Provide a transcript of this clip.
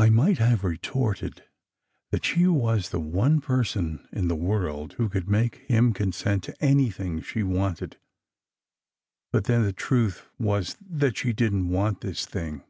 I might have retorted that she was the one person in the 36 SECRET HISTORY world who could make him consent to anything she wanted, but then, the truth was that she didn t want this thing.